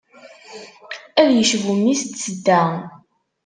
Ad yecbu mmi-s n tsedda.